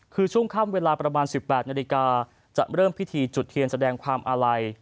คือช่วงค่ำเวลาประมาณ๑๘นาฬิกาจะเริ่มพิธีจุดเทียนแสดงความอาลัย